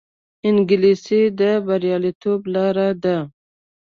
انګلیسي د بریالیتوب لار ده